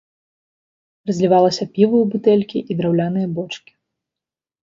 Разлівалася піва ў бутэлькі і драўляныя бочкі.